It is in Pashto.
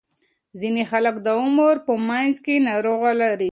ځینې خلک د عمر په منځ کې ناروغۍ لري.